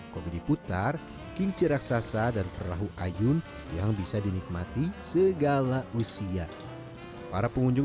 komedi putar kincir raksasa dan terlalu ayun yang bisa dinikmati segala usia para pengunjung